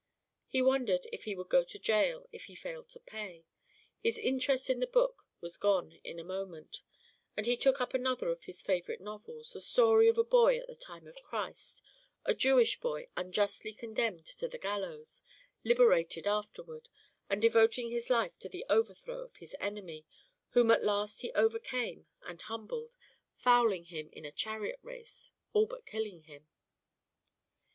He wondered if he would go to jail if he failed to pay. His interest in the book was gone in a moment, and he took up another of his favourite novels, the story of a boy at the time of Christ, a Jewish boy unjustly condemned to the galleys, liberated afterward, and devoting his life to the overthrow of his enemy, whom at last he overcame and humbled, fouling him in a chariot race, all but killing him.